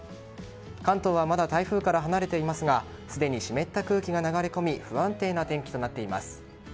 関東はまだ台風から離れていますがすでに湿った空気が流れ込み不安定な天気になっています。